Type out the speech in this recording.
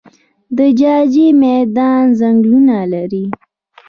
د جاجي میدان ځنګلونه لري